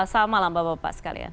selamat malam bapak bapak sekalian